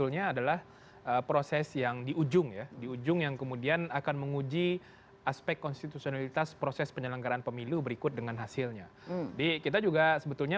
malah mediterananya freedoms yang dapat ker catering khusus keputusan pengendalian api itu religion agama